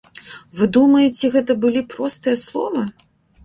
Вы думаеце гэта былі простыя словы?